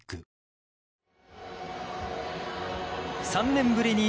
３年ぶりに